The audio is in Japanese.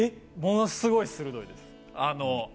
ものすごい鋭いです。